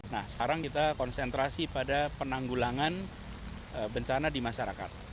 nah sekarang kita konsentrasi pada penanggulangan bencana di masyarakat